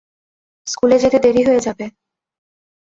স্কুলে যেতে দেরি হয়ে যাবে।